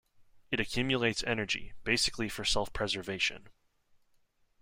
It accumulates energy, basically for self-preservation.